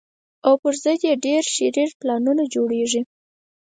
او پر ضد یې ډېر شرير پلانونه جوړېږي